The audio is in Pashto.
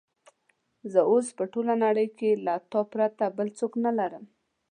زه اوس په ټوله نړۍ کې له تا پرته بل څوک نه لرم.